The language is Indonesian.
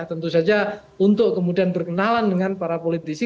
tentu saja untuk kemudian berkenalan dengan para politisi